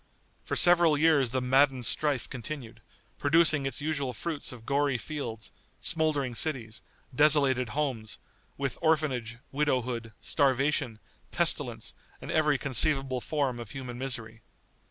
For several years the maddened strife continued, producing its usual fruits of gory fields, smouldering cities, desolated homes, with orphanage, widowhood, starvation, pestilence, and every conceivable form of human misery.